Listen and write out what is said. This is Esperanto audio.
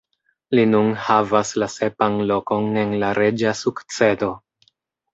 Li nun havas la sepan lokon en la reĝa sukcedo.